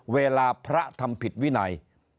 เวลาพระทำผิดวินัย